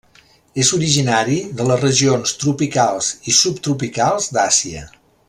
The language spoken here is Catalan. És originari de les regions tropicals i subtropicals d'Àsia.